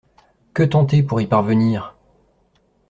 Que tenter pour y parvenir?